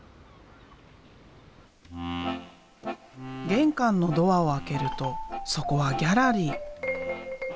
玄関のドアを開けるとそこはギャラリー。